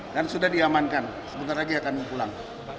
dan sudah diamankan sebentar lagi akan pulang